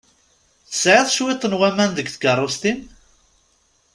Tesɛiḍ cwiṭ n waman deg tkeṛṛust-im?